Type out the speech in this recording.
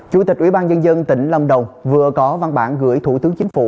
chủ tịch ủy ban nhân dân tỉnh lâm đồng vừa có văn bản gửi thủ tướng chính phủ